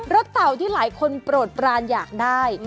เต่าที่หลายคนโปรดปรานอยากได้